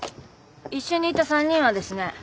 一緒にいた三人はですね